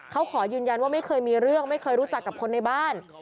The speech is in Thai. เขาขอยืนยันว่าไม่เคยมีเรื่องไม่เคยรู้จักกับคนในบ้าน